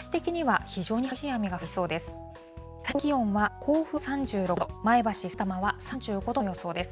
最高気温は甲府は３６度、前橋、さいたまは３５度の予想です。